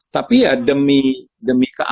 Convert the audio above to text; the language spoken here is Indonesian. tapi ya demi